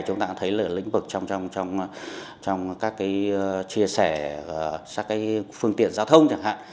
chúng ta thấy lĩnh vực trong các cái chia sẻ các cái phương tiện giao thông chẳng hạn